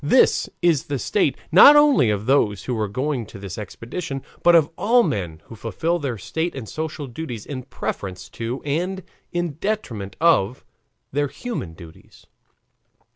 This is the state, not only of those who were going on this expedition, but of all men who fulfill their state and social duties in preference to and in detriment of their human duties.